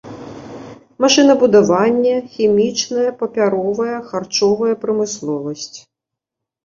Машынабудаванне, хімічная, папяровая, харчовая прамысловасць.